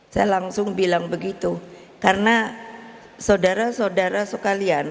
saya langsung bilang begitu karena saudara saudara sekalian